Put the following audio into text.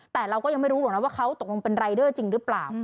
แต่เราก็ยังไม่รู้หรอกนะว่าเขาตกลงเป็นรายเดอร์จริงหรือเปล่า